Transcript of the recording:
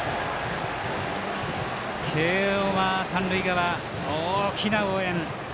慶応は三塁側大きな応援。